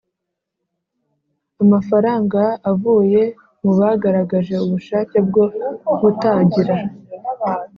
Amafaranga avuye mu bagaragaje ubushake bwo gutagira